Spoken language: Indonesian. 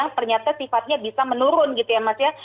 ternyata sifatnya bisa menurun gitu ya mas ya